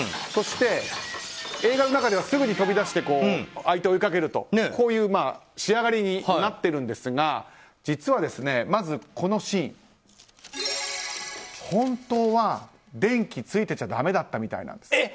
そして、映画の中ではすぐに飛び出して相手を追いかけるという仕上がりになっているんですが実は、まずこのシーン本当は電気がついててはだめだったそうです。